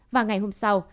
và ngày hôm sau